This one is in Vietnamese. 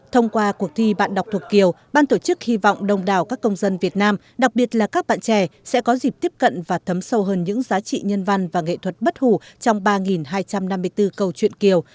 thông qua cuộc thi bạn đọc thuộc kiều ban tổ chức hy vọng đông đảo các công dân việt nam đặc biệt là các bạn trẻ sẽ có dịp tiếp cận và thấm sâu hơn những giá trị nhân văn và nghệ thuật bất hủ trong ba hai trăm năm mươi bốn câu chuyện kiều